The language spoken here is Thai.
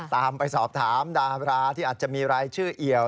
ไปสอบถามดาราที่อาจจะมีรายชื่อเอี่ยว